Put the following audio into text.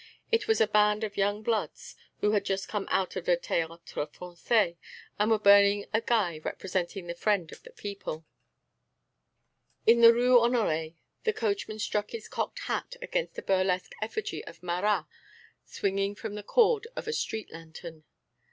It was a band of young bloods who had just come out of the Théâtre Français and were burning a guy representing the Friend of the People. In the Rue Honoré the coachman struck his cocked hat against a burlesque effigy of Marat swinging from the cord of a street lantern.